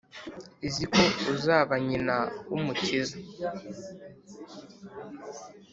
iziko uzaba nyina w’umukiza